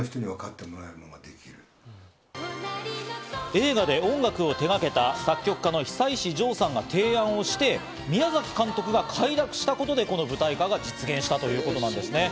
映画で音楽を手がけた作曲家の久石譲さんが提案をして、宮崎監督が快諾したことでこの舞台化が実現したということなんですね。